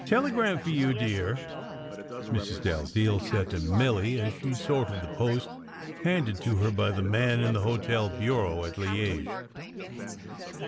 "Telegram for you, dear," Mrs. Dalziel said to Milly as she sorted the post handed to her by the man in the hotel bureau at Liege.